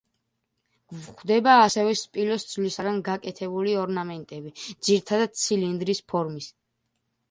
გვხვდება ასევე სპილოს ძვლისაგან გაკეთებული ორნამენტები, ძირითადად ცილინდრის ფორმის.